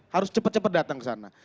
harus cepat cepat datang ke sana